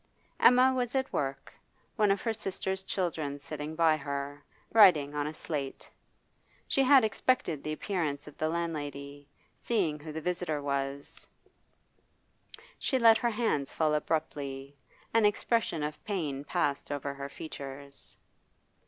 Emma was at work, one of her sister's children sitting by her, writing on a slate. She had expected the appearance of the landlady; seeing who the visitor was, she let her hands fall abruptly; an expression of pain passed over her features.